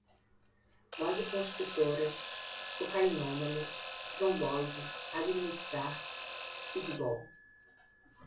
vasoconstritora, cocainômanos, trombose, administrar, speedball